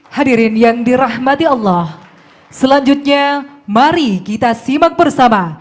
hadirin yang dirahmati allah selanjutnya mari kita simak bersama